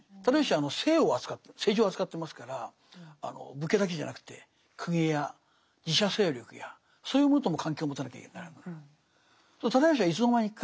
直義は政治を扱ってますから武家だけじゃなくて公家や寺社勢力やそういうものとも関係を持たなきゃいけない。